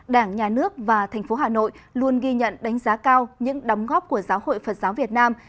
đảng nhà nước và thành phố hà nội luôn ghi nhận đánh giá cao những đóng góp của giáo hội phật giáo việt nam